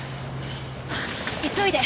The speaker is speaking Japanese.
急いで！